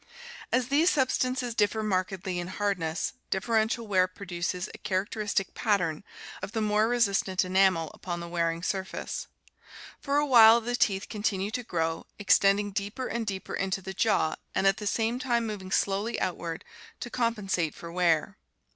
As these substances differ markedly in hard ness, differential wear produces a char acteristic "pattern" of the more resistent enamel upon the wearing surface. For a while the teeth continue to grow, extend ing deeper and deeper into the jaw and at the same time moving slowly outward to compensate for wear.